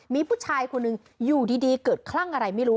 มีผู้ชายคนหนึ่งอยู่ดีเกิดคลั่งอะไรไม่รู้